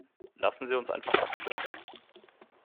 Lassen Sie uns einfach abstimmen.